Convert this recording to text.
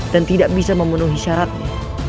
dan tidak bisa memenuhi syaratnya